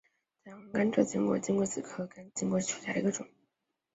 台湾甘蔗金龟为金龟子科甘蔗金龟属下的一个种。